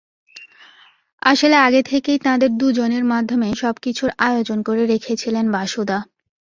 আসলে আগে থেকেই তাঁদের দুজনের মাধ্যমে সবকিছুর আয়োজন করে রেখেছিলেন বাসুদা।